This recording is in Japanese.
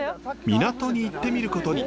港に行ってみることに。